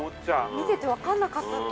◆見てて分かんなかったです。